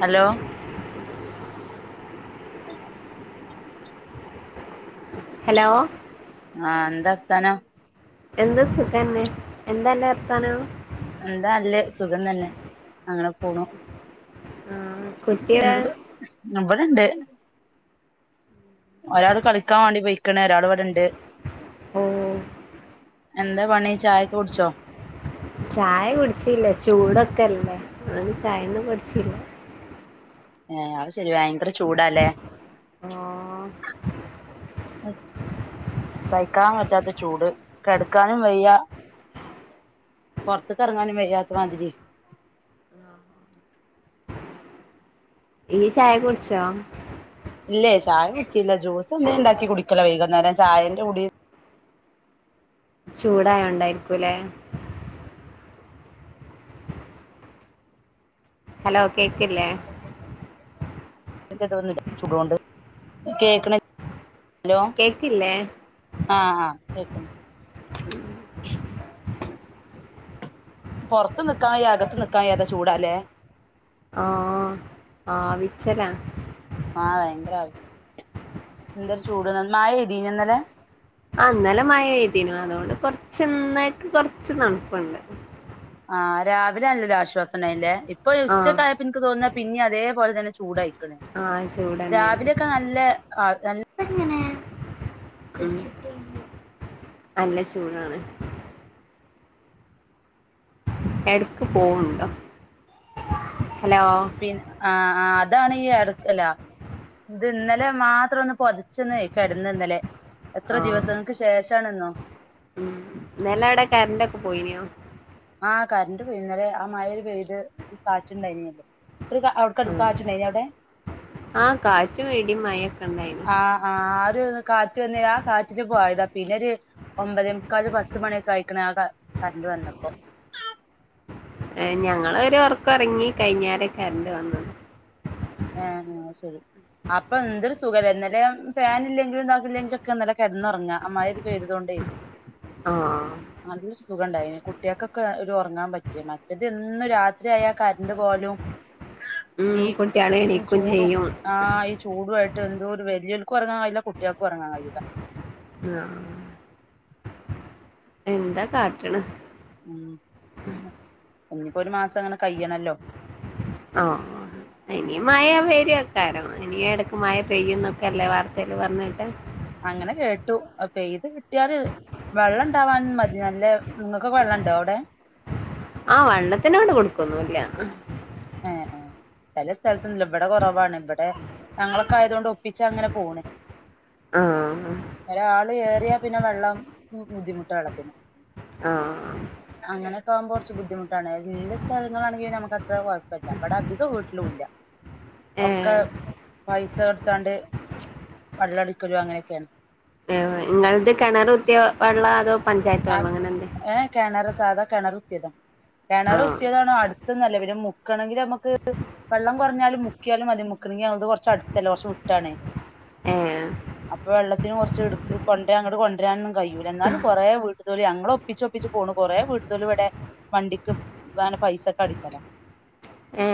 Hello ഉം hello ആ എന്തർത്താനം എന്താ സുഖന്നെ എന്താന്റർത്താനം എന്താല്ലത് സുഖം തന്നെ അങ്ങനെ പോണു ആ കുട്ടിയുടെ എന്ത്‌ ഇവിടെണ്ട് ഒരാള് കളിക്കാൻ വാണ്ടി പെയ്ക്ക്ണ് ഒരാള് വിടെണ്ട് ഓ എന്താ പണി ചായക്ക് കുടിച്ചോ ചായ കുടിച്ചില്ല ചൂടൊക്കെല്ലേ അതോണ്ട് ചായൊന്നും കുടിച്ചില്ല ഏ അത് ശരി ഭയങ്കര ചൂടാ ലേ ആഹ് ഉം സഹിക്കാൻ പറ്റാത്ത ചൂട് കെട്ക്കാനും വയ്യ പൊർത്ത്ക്ക് എർങ്ങാനും വെയ്യാത്ത മാതിരി ഇയ്യ് ചായ കുട്ച്ചോ? ഇല്ലേ ചായ കുടിച്ചില്ല ജ്യൂസ് എന്തേലും ണ്ടാക്കി കുടിക്കല വൈകുന്നേരം ചായന്റെ കുടി ചൂടായോണ്ടായിരിക്കുലേ ഹലോ കേക്കില്ലേ [unintelligible] ചൂടോണ്ട് കേക്ക്ണ്ൽ കേക്കില്ലേ ആ ആ കേക്ക്ണ്ട് പൊർത്തും നിക്കാ വയ്യ അകത്തും നിക്കാ വയ്യാത്ത ചൂടാ ലേ ആ ആവിച്ചല ആ ഭയങ്കര ആവിച്ചല എന്തൊര് ചൂട്ന്ന മഴയ്തീന ന്നലെ ആ ന്നലെ മഴയ്തിനു അതോണ്ട് കൊർച്ച് ഇന്നയ്ക്ക് കൊർച്ച് തൺപ്പ്ണ്ട് ആ രാവിലെ അല്ലൊരു ആശ്വാസം ണ്ടായ് നുലേ ഇപ്പൊ ആ ഉച്ചക്കായപ്പൊ ഇൻക്ക് തോന്നാ പിന്നെ അതേപോലെ തന്നെ ചൂടായി ക്ക്ണ് ആ ചൂട് രാവിലൊക്കെ നല്ല ആ നൽ ക്ക്ണ് നല്ല ചൂടാണ് എട്ക്ക് പോവുണ്ടോ ഹലോ പിൻ ആ ആ അതാണ് ഈ എട്ക്കല ത് ന്നലെ മാത്രം ഒന്ന് പൊതച്ചൊന്ന് കടന്ന്ന്നലെ എത്ര ആ ദിവസങ്ങൾക്ക് ശേഷണെന്നോ ഉം ഇന്നലെ അവിടെ കരറ്റൊക്കെ പോയിനോ ആ കറണ്ട്റ് പോ ഇന്നലെ ആ മഴൽ പെയ്ത് കാറ്റുണ്ടായിനല്ലേ കടകാച്ചുണ്ടായേനെ അവിടെ ആഹ് കാറ്റും ഇടിയും മഴൊക്കെ ഉണ്ടായിരുന്നു ആഹ് ആഹ് ആര് കാറ്റ് വന്നേ ആ കാറ്റിന് പോയതാ പിന്നെരു ഒമ്പതേമുക്കാല് പത്ത് മണിയൊക്കെ കയിക്കണ ആ കറണ്ട് വന്നപ്പോ ഏ ഞങ്ങളൊ രു ഉറക്കം ഒറങ്ങി കഴിഞ്ഞേരം കറണ്ട് വന്നു ആഹ് ന്നാ ശരി അപ്പൊ എന്തൊരു സുഖല്ല ഇന്നലെ ഫാൻ ഇല്ലെങ്കിലും ഇതാക്കില്ലെങ്കിലൊക്കെ നന്നല്ല കിടന് ഉറങ്ങാം അമാതിരിപെയ്തത്കൊണ്ടേ [inaudible] [inaudible] ആഹ് നല്ലൊരു സുഖം ഉണ്ടായി കുട്ടികൾക്കൊക്കെ ഒരു ഉറങ്ങാൻ പറ്റി മറ്റേത് എന്നും രാത്രിയയാൽ കരണ്ട് പോലും ഉ കൊ ചൂടും ആഹ് ഈ ചൂടു ആയിട്ട് എന്തോ ഒരു വെല്ലിയൽക്കും ഇറങ്ങാൻ കഴയില്ല കുട്ടികൾക്കും ഇറങ്ങാൻ കഴയില്ല ആഹ എന്താ കാട്ടണ ഉ ഇനിയിപ്പോഒരു മാസം അങ്ങനെ കഴിയണല്ലോ ആഹ ഇനി മഴ പയ്യക്കാരോ ഇനി എടക്ക് മഴ പെയ്യും എന്നൊക്കെ അല്ലേ വാർത്തൽ പറഞ്ഞ കേട്ടേ അങ്ങനെ കേട്ടു പെയ്ത് കിട്ടിയാല് വെള്ളം ഉണ്ടാവാൻ മതി നല്ല നിങ്ങൾക്ക് വെള്ളം ഉണ്ടോ അവിടെ ആഹ് വെള്ളത്തിനോട് കൊടുക്കൊന്നുല്ല എ എഏ ചില സ്ഥലത്തന്നല്ല ഇവിടെ കുറവാണ് ഇവിടെ ഞങ്ങളൊക്കെ ആയതുകൊണ്ട് ഒപ്പിച്ചാ അങ്ങനെ പോണ് ആഹ് ഒരാൾ കേറിയാ പിന്നെ വെള്ളം ബുദ്ധിമുട്ട വെള്ളത്തിന് ആഹ് അങ്ങനൊക്കെ ആകുമ്പോ കുറച്ച് ബുദ്ധിമുട്ടാണ് എല്ല സ്ഥല ങ്ങളാണെങ്കി നമുക്ക് അത്ര കുഴപ്പമില്ല ഇവിടെ അധിക വീട്ടിലും ഇല്ല ഏ ഒക്കെ പൈസ കൊടുത്താണ്ട് വെള്ളംടിക്കലും അങ്ങനെയൊക്കെയാണ് ഏ, നിങ്ങളത് കിണർ കുത്തിയ വെള്ളം അതോ പഞ്ചായത്ത് വെള്ളം അങ്ങനെ എന്താ ഏ കിണറ് സാധാ കിണറുകുത്തിയതാ ആ കുത്തിയതാണ് അടുത്തൊന്നല്ല പിന്നെ മുക്കണെങ്കിൽ നമുക്ക് വെള്ളം കുറഞ്ഞാലും മുക്കിയാലും മതി മുക്കണത് കുറച്ച് അടുത്തല്ല കുറ വിട്ടാണ് ഏ അപ്പൊ വെള്ളത്തിന് കുറച്ച് എടു കൊണ്ട അങ്ങോട്ട കൊണ്ടുവരാനൊന്നും കഴിയുല്ല എന്നാലുംകുറേ വീട്ട തോലി ഞങ്ങ ഒപ്പിച്ചൊപ്പിച്ച് പോണ് കൊറേ വീട്ടല് ഇവിടെ വണ്ടിക്ക് ങ്ങനെ പൈസ ഒക്കെ അടിക്കണു ഏ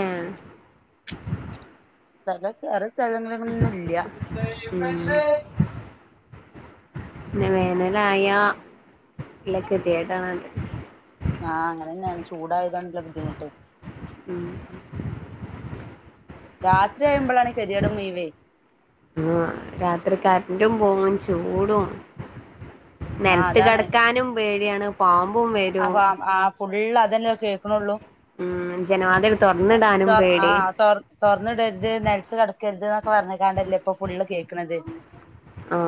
സ്ഥല ചെറ സ്ഥലങ്ങളൊന്നുംല്ല ഉം എന്തെലും ആയ വല്യയഗതികേടാണ് അത് ആഹ് അങ്ങനെന്നെ ചൂടായതാണ് ബുദ്ധിമുട്ട് ഉം രാത്രിയാമ്പോഴാണ് കരിയാട മുവേ ആഹ് രാത്രി കററ്റും പോകും ചൂടും ആഹ് നിലത്ത് അതാണ് കിടക്കാനും പേടിയാണ് പാമ്പും വ അപ്പൊ ആ ഫുള്ള് അതന്നെ കേൾക്കണുള്ളു ഉം ജനവാതിൽ തുറന്നിടാനും പേടി തുറന്ന് ഇടരുത് നിലത്ത് കിടക്കരുത് എന്നൊക്കെ പറഞ്ഞ കാണ്ടല്ലേ ഇപ്പൊ ഫുള്ള് കേൾക്കണത് ആ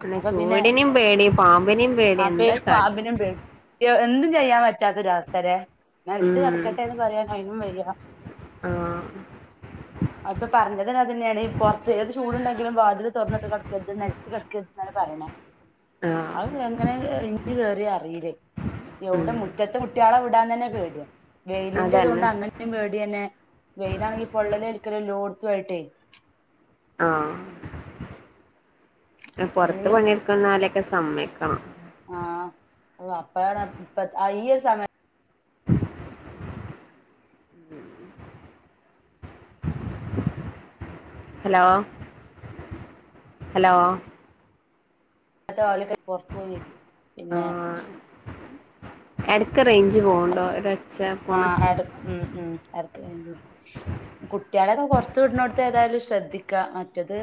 പിന്നെ ചൂടിനേയും പേടി പാമ്പിനേയും ആ പേരു പാമ്പിനെ പേടി എഎന്തും ചെയ്യാൻ പറ്റാത്തൊരവസ്ഥരെ നെൽത്ത് കട ഉം ക്കട്ടെന്ന് പറയാ അയിനും വയ്യ ആ അവ്ടത്തെ പറഞ്ഞതന്നെ അതന്നെണ് പൊറത്ത് ഏത് ചൂടുണ്ടെങ്കിലും വാതില് തൊറാന്ന്ട്ട് കടക്കര്ത് നെൽത്ത് കടക്കരുത് ന്നല്ലേ പറീണേ ആഹ് എങ്ങനെ ഇൻട്ട് കേറിയ അറിലേ എവ്ടെ ഉം മുറ്റത്ത് കുട്ടിയാളെ വിടാൻ തന്നെ പേടിയ വെയിലിൻ്റെ അതന്നെ തോണ്ട് അങ്ങനീ പേടിയന്നെ വെയിലാണിൽ പൊള്ളലേൽക്കല എല്ലോടുത്തായിട്ടേ ആഹ് പൊറത്ത് ഫുള്ള് പണിയെടുക്കുന്നോലൊക്കെ സമ്മയിക്കണം ആഹ് ഓഹ് അപ്പഴാണ് ഇപ്പ ഈ ഒരു സമയ ഹലോ ഹലോ തോലൊക്കേ പുറത്തു പോയി പിന്നെ ആ എടക്ക് റേ ഉം ആഹ് റാട് ഉം ഉം എടക്ക് റെയിഞ്ചി പോണ് കുട്ട്യാളൊക്കെ പൊറത്ത് വിട്നോടുത്ത് ഏതായാലും ശ്രദ്ധിക്ക മറ്റത്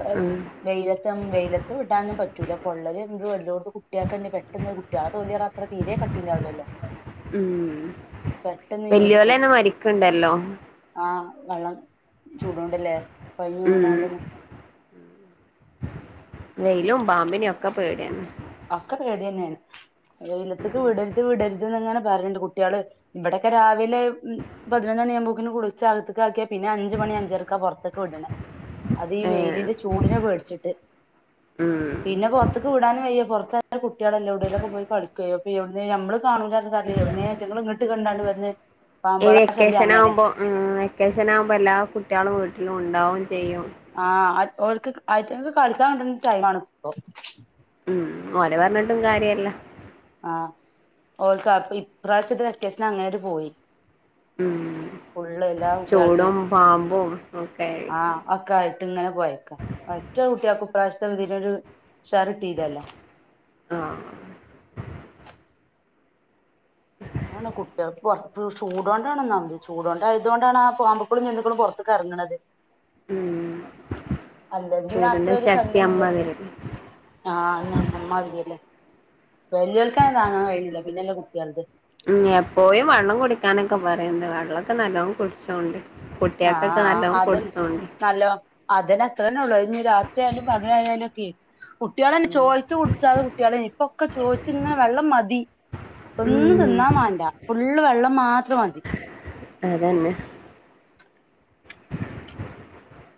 ബ ഉം വെയിലത്തം വെയിലത്ത് വിടാനും പറ്റൂല പൊള്ളലെന്തും എല്ലോടത്തും ഓക്കെ കുട്ട്യാക്കല്ലേ പെട്ടൊന്ന് കുട്ട്യാകന്നെ പ കുട്ടിയാളെ തൊലീ അറഞ്ഞ അത്ര തീരേ കട്ടിണ്ടാവില്ലല്ലോ ഉം പെട്ടെന്ന് ഏൽക്കും വല്ല്യോലെന്നെ മരിക്ക്ണ്ടല്ലോ ആഹ് വള്ളം ചൂടോണ്ടല്ലേ കുഴഞ്ഞ് ഉം വീണാണ്ടന്ന് വെയിലും പാമ്പിനി ഒക്കെ പേടിയെന്നേ ഒക്കെ പേടിയന്നെണ് വെയിലത്ത്ക്ക് വിടരുത് വിടരുത് ന്നങ്ങനെ പറീണ്ട് കുട്ടിയാള് ഇവിടെക്കെ രാവിലെ ഉം പതിനൊന്ന് മണിയാമ്പോക്കിന് കുളിച്ച അകത്ത്ക്ക് ആക്കിയ പിന്നെ അഞ്ച് മണി അഞ്ചരക്കാ പുറത്ത് ക്ക് വിടണേ അതീ ഏഹ് വെയിലിന്റെ ചൂടിനെ പേടിച്ചിട്ട് ഉം പിന്നെ പൊറത്ത്ക്ക് വിടാനും വയ്യ പുറത്തെ കുട്ടികളല്ല എവിടേലൊക്കെ പോയി കളിക്കേ അപ്പേ എവിട്ന്നേ നമ്മള് കാണൂല അറഞ്ഞിട്ട് കാര്യല്ലാ എവിട്ന്നേ റ്റങ്ങള് ഇങ്ങട്ട് കണ്ടാണ്ട് വരുന്നെ ഈ വെക്കേഷൻ ആകുമ്പോ ഉം വെക്കേഷൻ ആകുമ്പോ എല്ലാ കുട്ട്യാളും വീട്ടിലുണ്ടാവും ചെയ്യും ആഹ് അറ്റ് ഓൽക്ക് അയിറ്റങ്ങക്ക് കളിക്കാൻ കിട്ട്ണ ടൈമാണ് ഇപ്പൊ ഉം ഓലെ പറഞ്ഞിട്ടും കാര്യല്ല ആഹ് ഓൽക്ക ഇപ്രാവശ്യത്തെ വെക്കേഷൻ അങ്ങനെണ്ട് പോയി ഉം ഫുള്ള് എല്ലാ കുട്ടികൾക്കും ചൂടും പാമ്പും ഒക്കെ ആയിട്ട് ഓക്കെ ആയിട്ട് ഇങ്ങനെ പോയേക്ക ഒറ്റ കുട്ടിയാക്കും ഇപ്പ്രവിശ്യത്തെ ഇതിനൊരു ഉഷാർ കിട്ടിലല്ലോ ആഹ് [inaudible] അതാണ് കുട്ടികൾക്ക് പൊറത്ത് ചൂടോണ്ടാനൊന്നാമത് ചൂടോണ്ടായതു കൊണ്ടാണ് ആഹ് പാമ്പപ്പുക്കുളും ജന്തുക്കുളും പൊറത്ത്ക്കറങ്ങണത് ഉം അല്ലെങ്കിൽ അത്ര ചൂടിന്റെ ഒരു ശക്തി ശല്യൊന്നുമില്ലല്ലോ അമ്മാതിരി ആഹ് അയന്നെ അമ്മാതിരില്ലേ വല്ല്യോക്കെന്നെ താങ്ങാൻ കഴിയിണില്ല പിന്നെല്ലേ കുട്ട്യാളത് ഉം എപ്പോഴും വള്ളം കുടിക്കാനൊക്കെ പറയണ്ട് വള്ളൊക്കെ നല്ലോംകുടിച്ചോണ്ട് ആഹ് കുട്ടിയാക്കൊക്കെ ആഹ് നല്ലോം അതന്നെ കൊടുത്തോണ്ടി നല്ലോ അതെന്നെ അത്രന്നെ ഉള്ളൂ അയിഞ്ഞി രാത്രി ആയാലും പകലായാലൊക്കെ കുട്ട്യാളെന്നെ ഉം ചോയിച്ചു കുടിച്ചാത കുട്ട്യാളെന്നു ഇപ്പൊക്കെ ചോയിച്ച്ങ്ങനെ വെള്ളം മതി ഒന്നും ഉം തിന്നാ വാണ്ടാ ഫുള്ള് വെള്ളം മാത്രം മതി അതന്നെ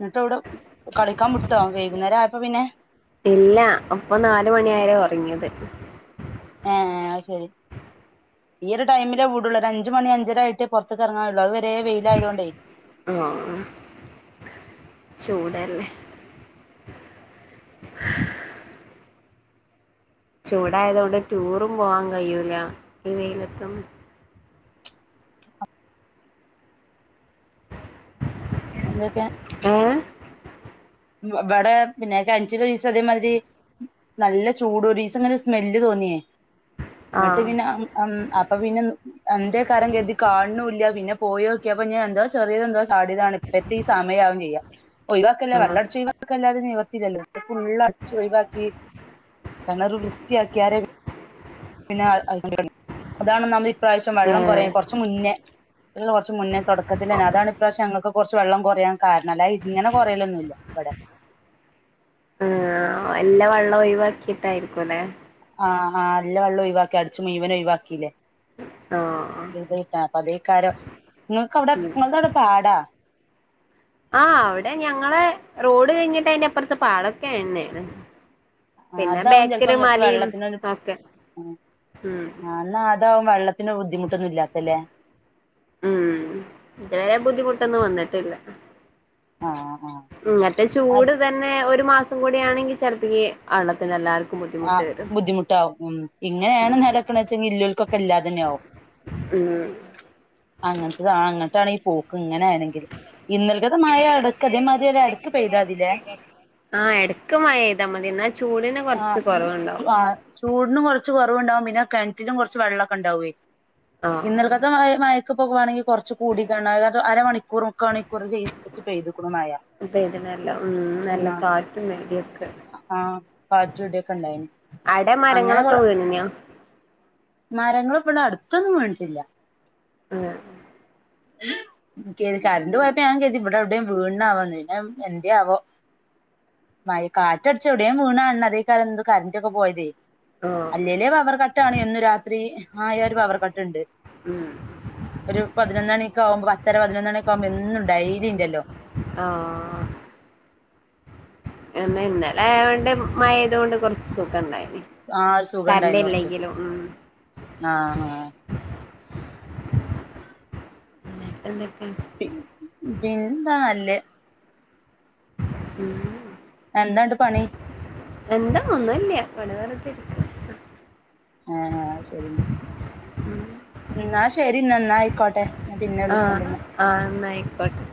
എന്നിട്ട് എവടെ കളിക്കാ വുട്ടോ വൈകുന്നേരം ആയപ്പോ പിന്നെ ഇല്ല ഒപ്പൊ നാല് മണിയാരെ ഒറങ്ങിയത് ഏഹ് അഹ് ശരി ഈ ഒരു ടൈമിലെ വുടുള്ളൂ ഒരു അഞ്ച് മണി അഞ്ചരായിട്ടെ പൊറത്ത്ക്ക് ഇറങ്ങാള്ളു അത് വരെ വെയിലായതു കൊണ്ടേ ആഹ് ചൂടല്ലേ ചൂടായതു കൊണ്ട് ടൂറും പോവാ കയ്യൂല ഈ വെയിലത്തും എന്തൊക്കെ ഏഹ് ഇവിടെ പിന്നെ കഞ്ചിലസ് അതേമാതിരി നല്ല ചൂട് ഒരീസങ്ങനെ സ്മെല്ല് തോന്നിയേ എന്നിട്ട് ആഹ് പിന്നെ ഉം അപ്പൊ പിന്നെ എന്തേ കാരം ഗതി കാണ്ണുല്ല പിന്നെ പോയോക്കിയപ്പ ഞാൻ എന്താ ചെറിയത ന്തോ ചാടിയതാണ് പ്പത്തി സമയയാവും ചെയ്യാ ഒഴിവാക്കല്ല ആഹ് വെള്ളട ഒഴിവാക്കല്ലാതെ നിവർത്തില്ലല്ലോ ഫുള്ള് അടിച്ച് ഒഴിവാക്കി കിണർ വൃത്തിയാക്കിയാരെ പിന്നെ അതാണ് നമ്മള് ഇപ്രാവശ്യം വെള്ളം കുറയും ഏഹ് കുറച്ച മുന്നേ കുറച്ച് മുന്നേ തുടക്കത്തില്ലന്ന ആഹ് അതാണ് ഇപ്രശ്യം ഞങ്ങക്ക് കുറച്ച് വെള്ളം കുറയാൻ കാരണം അല്ല ഇങ്ങനെ കുറയല്ലൊന്നുല്ല വടെ ആഹ് എല്ലാ വെള്ളം ഒഴിവാക്കിയിട്ടായിരിക്കുല്ലെ ആഹ് ആഹ് എല്ലാ വള്ളം ഒഴിവാക്കി അടിച്ച് മുയവന ഒയ്വാക്കിയില്ലേ ആഹ് ആഹ് ട്ട അപ്പ അതേക്കാരം നിങ്ങൾക്ക് അവിടെ നിങ്ങുടെ അവിടെ പാടാ ആഹ് അവിടെ ഞങ്ങ റോഡ് കഴിഞ്ഞിട്ട് അയ്ന്റെ അപ്പുറത്ത് പാടൊക്കെ തന്നെണ് ആഹ് അതാവും ചിലപ്പോ ഇങ്ങക്ക് വെള്ളത്തിനൊ ഒക്കെ ഉം എതാവും വെള്ളത്തിനോര് ബുദ്ധിമുട്ടൊന്ന ഇല്ലാത്തല്ലേ ഉം ഇതുവരെ ബുദ്ധിമുട്ടൊന്നും വന്നിട്ടില്ല ആ ആ ഇങ്ങത്തെ ചൂട് അത് തന്നെ പിന്നെ ഒരു മാസം കൂടിയ ആണെങ്കിൽ ചെലപ്പക്ക് വെള്ളത്തി എല്ലാർക്കും ബുദ്ധിമുട്ട് ആഹ് വരും ബുദ്ധിമുട്ടാവും ഉം ഇങ്ങനെയാണ് നലക്കണ വെച്ചെങ്കിൽ ഇല്ലൾക്കൊക്കെ എല്ലാതന്നാകും ഉം അങ്ങനത്തെത അങ്ങട്ടാണ ഈ പോക്ക് ഇങ്ങനെ ആണെങ്ക ഇന്നൽക്കത മായ അടക്ക് അതേമാതിരി ഒ അടക്ക് പെയ്താതിലെ ആഹ് എടക്ക്‌ മയ പെയ്താൽ മതി എന്നാ ചൂടിന് കുറച്ച് ആഹ് കുറവുണ്ടാവും ആ ചൂടിനും കുറച്ച് കുറവുണ്ടാവും പിന്നെ കിണറ്റിലും കുറച്ച് വെള്ളമൊക്കെ ഉണ്ടാവുവേ ആഹ് ഇന്നൽക്കത്ത മയമായ പോകവാണെങ്കിൽ കുറച്ച് കൂട ക അരമണിക്കൂർ മുക്ക മണിക്കൂർ് ചെയ്തുക്കണ മഴ പെയ്തിനല്ല ഉം നല്ല ഉം കാറ്റും ഇടിയൊക്കെ ആഹ് കാറ്റുടിയൊക്കെ ഉണ്ടായിന് അട അങ്ങനെ മരങ്ങളൊക്കെ വീണഞ്ഞ മരങ്ങൾ ഇപടെ അടുത്തൊന്നും വീണിട്ടില്ല ഉം ത് കറണ്ട് പോയപ്പോ ഞാൻ കത് ഇവിടെ എവിടെയും വീടണാവാന്ന് പിന്നെ എന്തേ ആവോ മയ് കാറ്റടിച്ച എവിടെയും വീണാണ് അതേ കാല എന്ത് കറന്റൊക്കെ പോയതേ ആഹ് അല്ലല്ലേ പവർ കട്ടാണ് ഒന്ന് രാത്രി ആയറ് പവർ കട്ട് ഉണ്ട് ഉം ഒരു പതിനൊന്ന മണിക ആകുമ്പോ പത്തര പതിനൊന്നണി ആാവുമ്പോ എന്നും ഡൈലി ഉണ്ടല്ലോ ആഹ് എന്ന ഇന്നലെ അൊണ്ട് മയത കൊണ്ട് കുറച്ച് സുഖം ഇണ്ടായിന് ആഹ് ഒരു സുഖണ്ടായിനി കൊറച്ച് ആഹ് ആഹ് എന്തൊക്ക പിൻ പിന്നെന്താ നല്ലേ ഉം എന്താണ്ട് പണി എന്താ ഒന്നുല്ല ഇവടെ വെറുതിരിക്കും ആഹ് ശരി എന്നാ എന്നാ ശരിന്നാ ആയിക്കോട്ടെ ഞാൻ പിന്നെ വിളിക്കണ്ട് ന്നാ ആഹ് ആഹ് ന്നായിക്കോട്ടെ